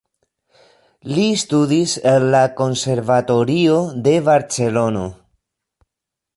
Li studis en la Konservatorio de Barcelono.